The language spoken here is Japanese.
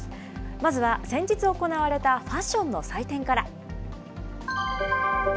まずは先日行われたファッションの祭典から。